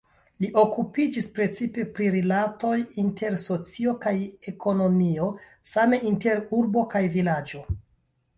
Li okupiĝis precipe pri rilatoj inter socio kaj ekonomio, same inter urbo kaj vilaĝo.